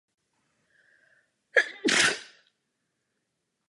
Kromě hudby byl nadšeným milovníkem starožitností.